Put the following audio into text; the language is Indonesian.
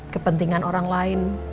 kepentingan orang lain